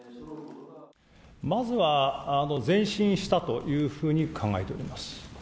まずは前進したというふうに考えております。